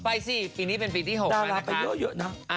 ไปสิปีนี้เป็นปีที่๖คันน่ะคะ